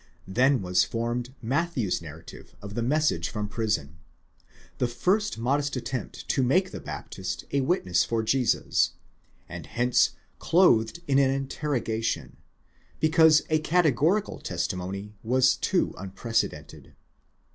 Then was formed Matthew's narrative of the message from prison; the first modest attempt to make the Baptist a witness for Jesus, and hence clothed in an interrogation, because a categorical testimony was too unprecedented.